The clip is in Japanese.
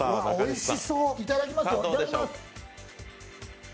いただきます。